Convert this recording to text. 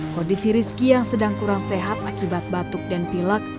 kondisi rizki yang sedang kurang sehat akibat batuk dan pilak